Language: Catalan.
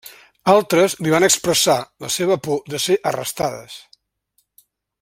Altres li van expressar la seva por de ser arrestades.